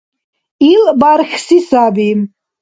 Ил бархьси саби.